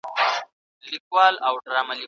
خلاقیت د پرمختګ سرچینه ده.